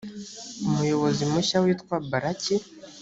umuyobozi mushya witwaga baraki